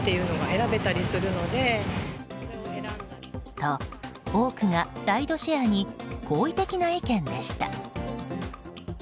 と、多くがライドシェアに好意的な意見でした。